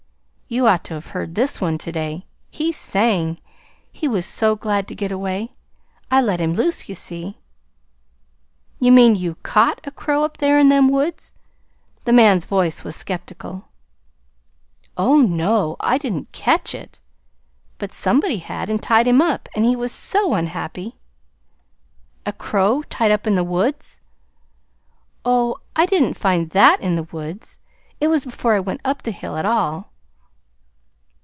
You ought to have heard this one to day. He sang. He was so glad to get away. I let him loose, you see." "You mean, you CAUGHT a crow up there in them woods?" The man's voice was skeptical. "Oh, no, I didn't catch it. But somebody had, and tied him up. And he was so unhappy!" "A crow tied up in the woods!" "Oh, I didn't find THAT in the woods. It was before I went up the hill at all."